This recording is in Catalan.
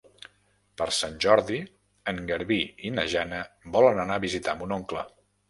Per Sant Jordi en Garbí i na Jana volen anar a visitar mon oncle.